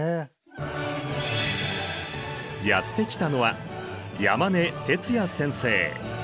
やって来たのは山根徹也先生。